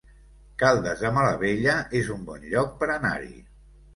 Caldes de Malavella es un bon lloc per anar-hi